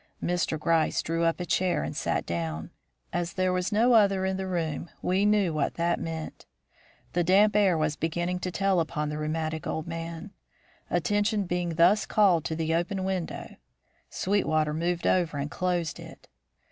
Mr. Gryce drew up a chair and sat down. As there was no other in the room we knew what that meant. The damp air was beginning to tell upon the rheumatic old man. Attention being thus called to the open window, Sweetwater moved over and closed it.